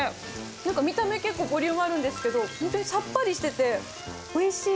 なんか見た目、結構ボリュームあるんですけれども、本当にさっぱりしてて、おいしい。